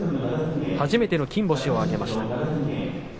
初めての金星を挙げました。